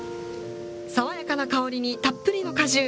さわやかな香りにたっぷりの果汁。